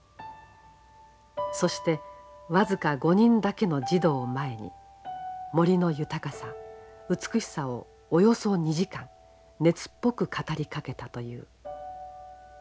そして僅か５人だけの児童を前に森の豊かさ美しさをおよそ２時間熱っぽく語りかけたという。